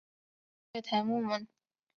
设有月台幕门。